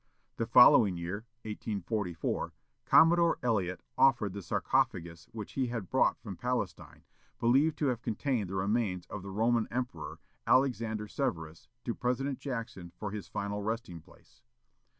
The following year, 1844, Commodore Elliot offered the sarcophagus which he brought from Palestine, believed to have contained the remains of the Roman Emperor, Alexander Severus, to President Jackson for his final resting place.